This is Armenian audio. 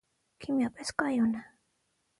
Քիմիապես կայուն է։